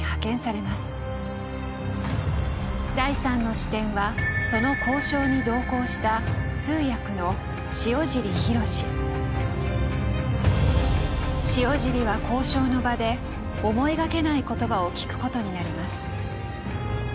第３の視点はその交渉に同行した塩尻は交渉の場で思いがけない言葉を聞くことになります。